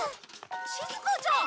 しずかちゃん！